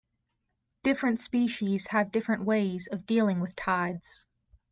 Different species have different ways of dealing with tides.